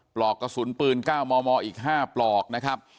ปลอกกระสุนปืน๙มมอีก๕ปลอกนะครับ